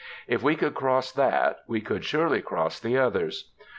If we could cross that, we could surely cross the others.